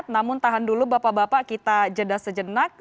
namun tahan dulu bapak bapak kita jeda sejenak